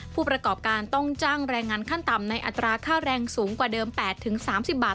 ผู้ประกอบการต้องจ้างแรงงานขั้นต่ำในอัตราค่าแรงสูงกว่าเดิม๘๓๐บาท